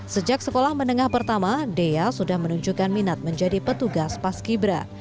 sejak sekolah menengah pertama dea sudah menunjukkan minat menjadi petugas paski bra